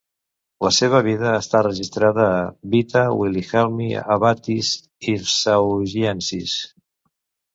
La seva vida està registrada a "Vita Willihelmi abbatis Hirsaugiensis".